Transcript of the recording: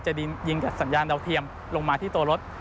ยิงจากสัญญาณดาวเทียมลงมาที่ตัวรถ